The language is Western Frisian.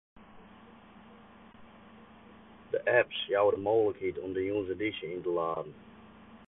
De apps jouwe de mooglikheid om de jûnsedysje yn te laden.